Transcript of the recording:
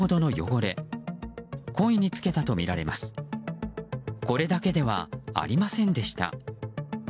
これだけではありませんでした。